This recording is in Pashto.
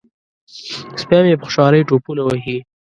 سپی مې په خوشحالۍ ټوپونه وهي.